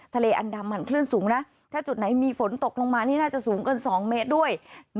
ทะเลอันดามันคลื่นสูงนะถ้าจุดไหนมีฝนตกลงมานี่น่าจะสูงเกิน๒เมตรด้วย